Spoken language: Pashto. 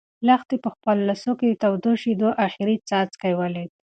لښتې په خپلو لاسو کې د تودو شيدو اخري څاڅکی ولید.